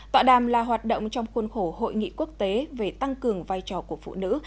tọa đàm là hoạt động trong khuôn khổ hội nghị quốc tế về tăng cường vai trò của phụ nữ